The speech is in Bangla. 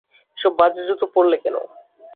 এসব বাজে জুতো পড়লে কেন!